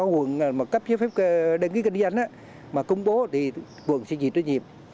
còn những cơ sở mà do quần cấp giới phép đăng ký kinh doanh mà công bố thì quần sẽ dịch vụ nhiệm